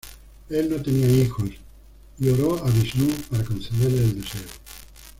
Él no tenía hijos y oró a Visnú para concederle el deseo.